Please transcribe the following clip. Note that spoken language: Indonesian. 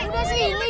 ini udah sih ini